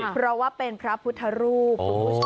เพราะว่าเป็นพระพุทธรูป